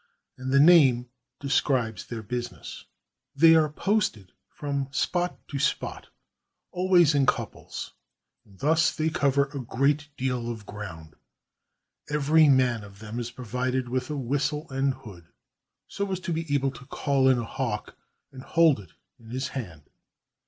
And the name describes their business. They are posted from spot to spot, always in couples, and thus they cover a great deal of ground. Every man of them is provided with a whistle and hood, so as to be able to call in a hawk and hold it in his hand.